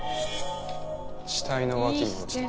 死体の脇に落ちてた。